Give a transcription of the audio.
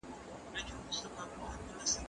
زه هره ورځ مړۍ خورم؟